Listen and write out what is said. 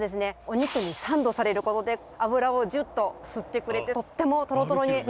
お肉にサンドされる事で脂をジュッと吸ってくれてとってもトロトロになります。